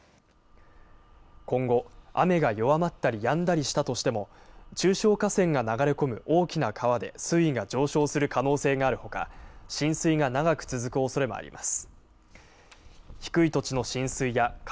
今後、雨が弱まったりやんだりしたとしても中小河川が流れ込む大きな川で水位が上昇する可能性があるほか浸水が長く続くおそれもあります。